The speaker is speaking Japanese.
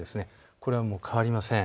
これは変わりません。